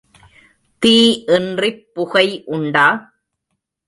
தீ இன்றிப் புகை உண்டா?